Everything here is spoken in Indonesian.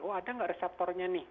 oh ada nggak reseptornya nih